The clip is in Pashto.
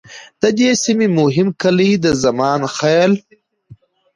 د دې سیمې مهم کلي د زمان خیل،